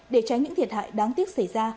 để tránh những thiệt hại đáng tiếc xảy ra